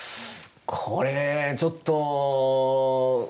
これちょっと。